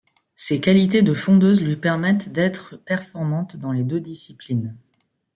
Ses qualités de fondeuse lui permettent d'être performante dans les deux disciplines.